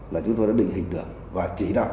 là chúng tôi đã định hình được và chỉ đạo